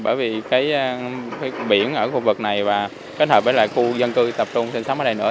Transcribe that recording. bởi vì cái biển ở khu vực này và kết hợp với lại khu dân cư tập trung sinh sống ở đây nữa